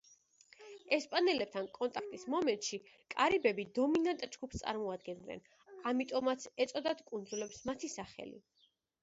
ესპანელებთან კონტაქტის მომენტში კარიბები დომინანტ ჯგუფს წარმოადგენდნენ, ამიტომაც ეწოდათ კუნძულებს მათი სახელი.